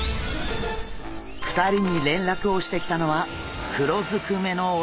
２人に連絡をしてきたのは黒ずくめの男たち。